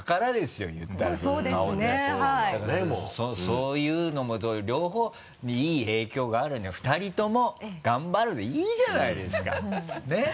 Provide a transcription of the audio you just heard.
そういうのも両方いい影響があるには２人とも頑張るでいいじゃないですかねぇ。